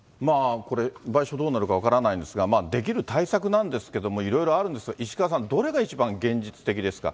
これ、賠償、どうなるか分からないんですが、できる対策なんですけれども、いろいろあるんですが、石川さん、どれが一番現実的ですか。